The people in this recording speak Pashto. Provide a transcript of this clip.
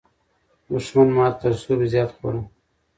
دښمن ماته تر سوبې زیاته خوړه.